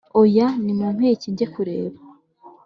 oya, nimumpeke njye kureba.